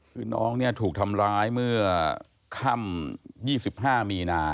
คือน้องเนี่ยถูกทำร้ายเมื่อค่ำ๒๕มีนา